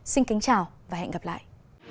xin kính chào và hẹn gặp lại